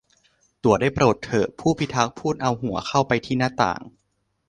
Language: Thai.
'ตั๋วได้โปรดเถอะ !' ผู้พิทักษ์พูดเอาหัวเข้าไปที่หน้าต่าง